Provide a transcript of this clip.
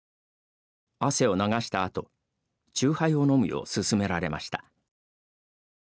汗を流したあと、チューハイを飲むよう勧められました。